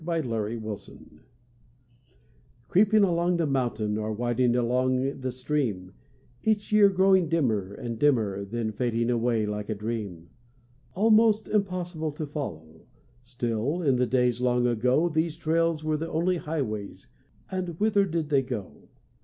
*INDIAN TRAILS* Creeping along the mountain, Or winding along the stream, Each year growing dimmer and dimmer, Then fading away like a dream— Almost impossible to follow, Still in the days long ago, These trails were the only highways And whither did they go?